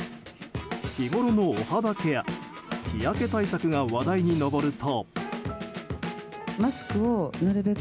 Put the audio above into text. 日ごろのお肌ケア日焼け対策が話題に上ると。